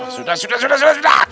sudah sudah sudah sudah